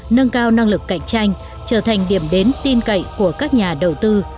nâng cao năng lực cạnh tranh trở thành điểm đến tin cậy của các nhà đầu tư